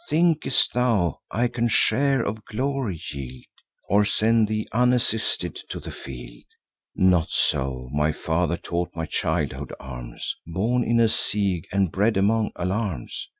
Think'st thou I can my share of glory yield, Or send thee unassisted to the field? Not so my father taught my childhood arms; Born in a siege, and bred among alarms!